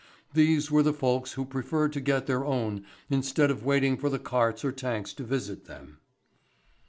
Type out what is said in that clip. These were the folks who preferred to get their own instead of waiting for the carts or tanks to visit them.